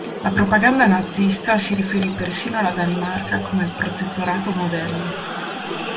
La propaganda nazista si riferì persino alla Danimarca come il "protettorato modello".